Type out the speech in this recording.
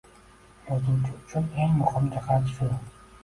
Yozuvchi uchun eng muhim jihat shu